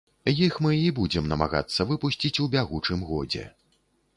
Іх мы і будзем намагацца выпусціць у бягучым годзе.